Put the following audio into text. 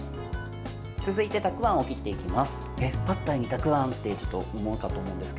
続いてたくあんを切っていきます。